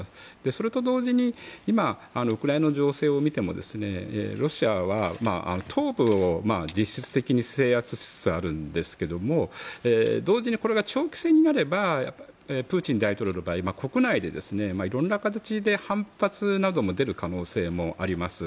それと同時に今ウクライナの情勢を見てもロシアは東部を実質的に制圧しつつあるんですが同時にこれが長期戦になればプーチン大統領の場合国内で色んな形で反発なども出る可能性があります。